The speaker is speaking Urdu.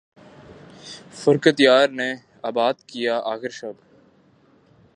فرقت یار نے آباد کیا آخر شب